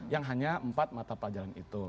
yang hanya empat mata pelajaran itu